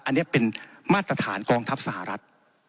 อันนี้เป็นมาตรฐานกองทัพสหรัฐ